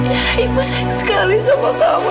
ya ibu sayang sekali sama bapak